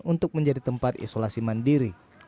untuk menjadi tempat isolasi mandiri